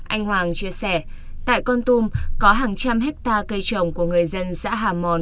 anh hoàng chia sẻ tại con tum có hàng trăm hectare cây trồng của người dân xã hà mòn